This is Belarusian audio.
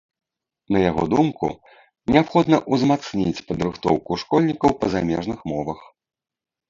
На яго думку, неабходна ўзмацніць падрыхтоўку школьнікаў па замежных мовах.